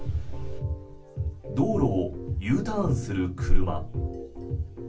道路をＵターンする車。